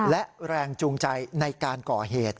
และแรงจูงใจในการก่อเหตุ